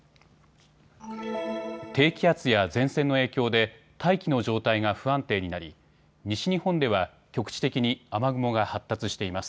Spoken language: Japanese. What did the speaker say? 低気圧や前線の影響で大気の状態が不安定になり西日本では局地的に雨雲が発達しています。